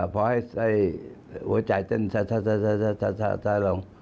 พอให้หัวใจเต้นลง